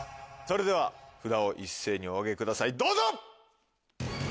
それでは札を一斉にお上げくださいどうぞ！